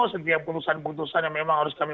setiap putusan putusan yang memang harus kami